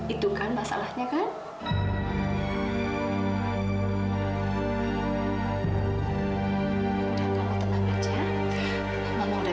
itu gambar mira